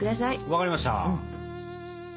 分かりました。